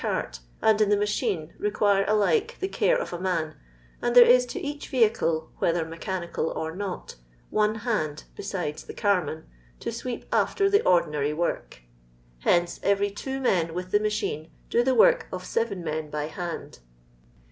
cart, and in the machhM require alike the care of a man, and there ia to each vehicle (whether mechanical or not) one hand (besides the camian) to sweep after the ordinary work. Hence every two men with the machine dio the work of seven men by hand.